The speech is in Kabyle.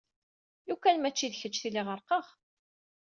Lukan mačči d kečč tili ɣerqeɣ.